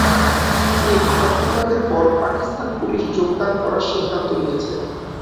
তিনি ভারত বিভাগের পর পাকিস্তান পুলিশ যোগদান করার সিদ্ধান্ত নিয়েছে।